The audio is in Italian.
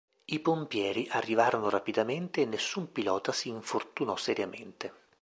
I pompieri arrivarono rapidamente e nessun pilota si infortunò seriamente.